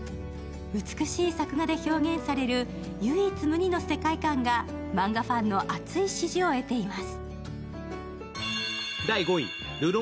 美しい作画で表現される唯一無二の世界観がマンガファンの熱い支持を得ています。